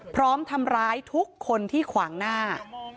พร้อมทำร้ายทุกคนที่ขวางหน้า